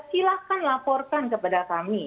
silahkan laporkan kepada kami